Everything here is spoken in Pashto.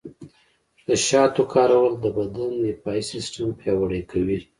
د شاتو کارول د بدن دفاعي سیستم پیاوړی کوي.